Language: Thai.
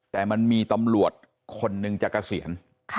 แต่มันมีตำรวจคนหนึ่งจากเกษียณ